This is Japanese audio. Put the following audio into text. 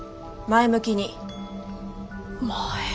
前向きに。